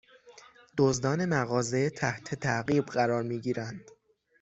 دزدان مغازه تحت تعقیب قرار می گیرند